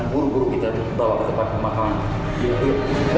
buru buru kita bawa ke tempat pemakaman video